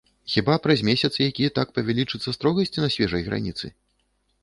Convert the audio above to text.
Хіба праз месяц які так павялічыцца строгасць на свежай граніцы?